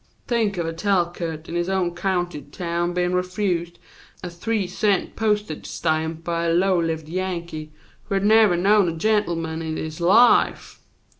"Think of a Talcott in his own county town bein' refused a three cent postage stamp by a low lived Yankee, who had never known a gentleman in his life!